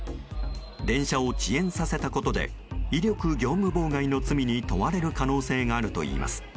電車を遅延させたことで威力業務妨害の罪に問われる可能性があるといいます。